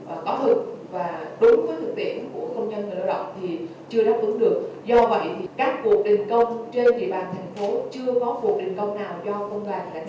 do vậy thì các cuộc đình công trên địa bàn thành phố chưa có cuộc đình công nào do công đoàn đã tạo